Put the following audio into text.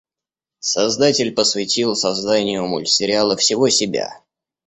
Создатель посвятил созданию мультсериала всего себя.